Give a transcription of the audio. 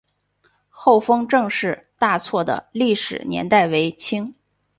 厚丰郑氏大厝的历史年代为清。